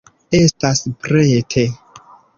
Estas prete.